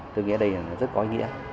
tôi nghĩ đây rất có nghĩa